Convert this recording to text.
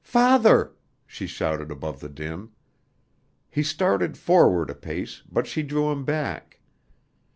Father!" she shouted above the din. He started forward a pace, but she drew him back.